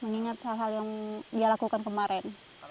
mengingat hal hal yang dia lakukan kemarin